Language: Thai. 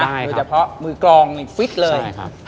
โดยเฉพาะมือกรองนี่ฟิตเลย